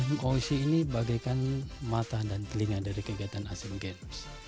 moc ini bagaikan mata dan telinga dari kegiatan asian games